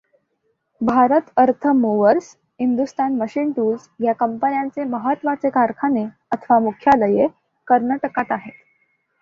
Bharat Earth Movers, Hindustan Machine Tools ह्या कंपन्यांचे महत्त्वाचे कारखाने अथवा मुख्यालये कर्नाटकात आहेत.